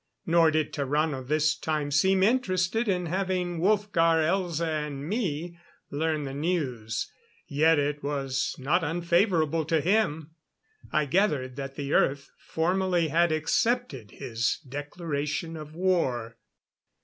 Nor did Tarrano this time seem interested in having Wolfgar, Elza and me learn the news. Yet it was not unfavorable to him. I gathered that the Earth formally had accepted his declaration of war.